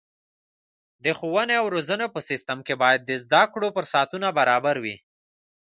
د ښوونې او روزنې په سیستم کې باید د زده کړو فرصتونه برابره وي.